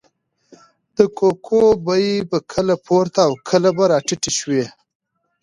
د کوکو بیې به کله پورته او کله به راټیټې شوې.